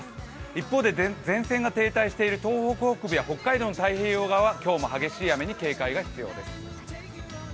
一方で、前線が停滞している東北北部や北海道の太平洋側は今日も激しい雨に警戒が必要です。